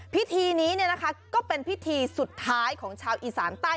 พิธีนี้ก็เป็นพิธีสุดท้ายของชาวอีสานใต้